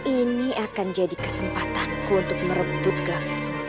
ini akan jadi kesempatanku untuk merebut gelangnya sultan